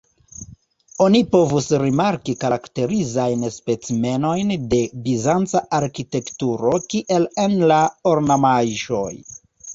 Oni povus rimarki karakterizajn specimenojn de bizanca arkitekturo, kiel en la ornamaĵoj.